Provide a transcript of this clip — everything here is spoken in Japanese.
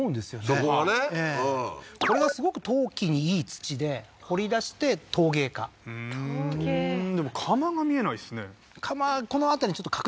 そこはねうんこれがすごく陶器にいい土で掘り出して陶芸家陶芸でも窯が見えないですね